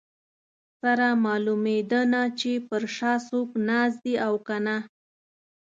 سره معلومېده نه چې پر شا څوک ناست دي او که نه.